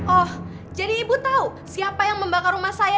oh jadi ibu tahu siapa yang membakar rumah saya